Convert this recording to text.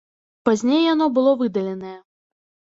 Пазней яно было выдаленае.